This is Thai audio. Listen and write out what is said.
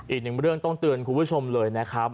อีกหนึ่งเรื่องต้องเตือนคุณผู้ชมเลยนะครับ